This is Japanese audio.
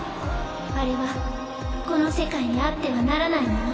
あれはこの世界にあってはならないもの。